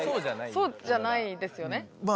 そうじゃないですよね？